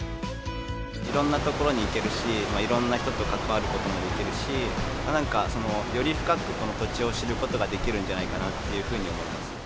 いろんな所に行けるし、いろんな人と関わることもできるし、なんか、より深くこの土地を知ることができるんじゃないかなっていうふうに思います。